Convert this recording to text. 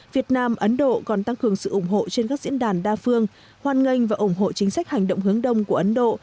việt nam ấn độ còn tăng cường sự ủng hộ trên các diễn đàn đa phương hoan nghênh và ủng hộ chính sách hành động hướng đông của ấn độ